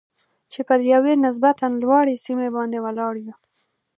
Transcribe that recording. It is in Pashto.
چې پر یوې نسبتاً لوړې سیمې باندې ولاړ یو.